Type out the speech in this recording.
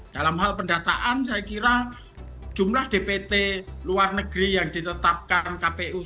dalam hal pendataan saya kira jumlah dpt luar negeri yang ditetapkan kpu